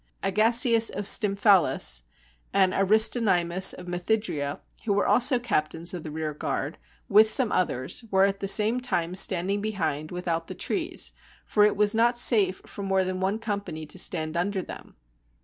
Agasias of Stymphalus, and Ariston}Tnus of Methydria, who were also captains of the rear guard, with some others, were at the same time standing behind, without the trees, for it was not safe for more than one company to stand under them.